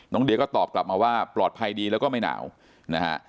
เดียก็ตอบกลับมาว่าปลอดภัยดีแล้วก็ไม่หนาวนะฮะ